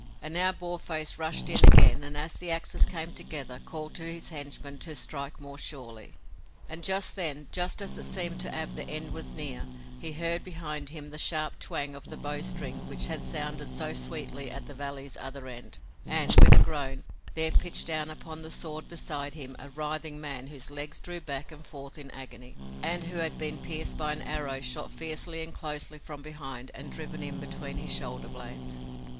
And now Boarface rushed in again and as the axes came together called to his henchman to strike more surely. And just then, just as it seemed to Ab the end was near, he heard behind him the sharp twang of the bowstring which had sounded so sweetly at the valley's other end and, with a groan, there pitched down upon the sward beside him a writhing man whose legs drew back and forth in agony and who had been pierced by an arrow shot fiercely and closely from behind and driven in between his shoulder blades.